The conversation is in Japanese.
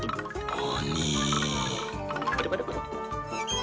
お！